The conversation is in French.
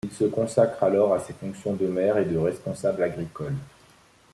Il se consacre alors à ses fonctions de maire et de responsable agricole.